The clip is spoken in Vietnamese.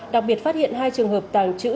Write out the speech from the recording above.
đặc biệt phát hiện hai trường hợp tàng trữ